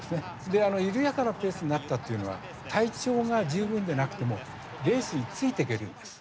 であの緩やかなペースになったっていうのは体調が十分でなくてもレースについていけるんです。